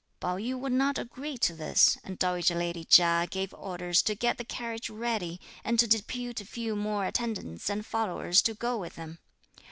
Pao yü would not agree to this, and dowager lady Chia gave orders to get the carriage ready, and to depute a few more attendants and followers to go with him.